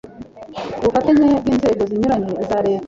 ku bufatanye bw Inzego zinyuranye iza Leta